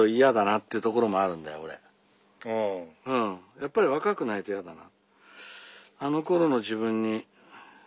やっぱり若くないと嫌だな。